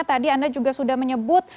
tadi anda juga sudah menyebut